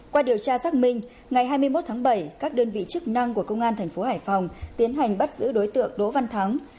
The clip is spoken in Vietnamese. qua điều tra xác minh ngày hai mươi một tháng bảy các đơn vị chức năng của công an thành phố hải phòng tiến hành bắt giữ đối tượng đỗ văn thắng